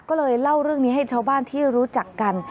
ก็เลยเล่าเรื่องนี้ให้ชาวบ้านที่รู้จักกัน